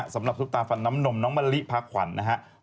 สำหรับชุปตาฝันน้ำนมน้องมะลิป้าขวัญนะครับ